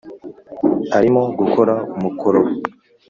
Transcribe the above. arimo gukora umukoro we